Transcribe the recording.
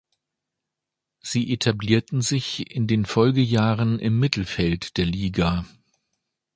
Sie etablierten sich in den Folgejahren im Mittelfeld der Liga.